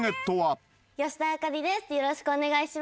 よろしくお願いします。